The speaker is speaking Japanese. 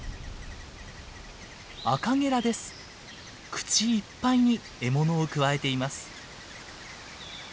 口いっぱいに獲物をくわえています。